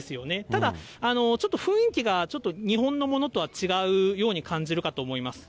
ただちょっと、雰囲気がちょっと日本のものとは違うように感じるかと思います。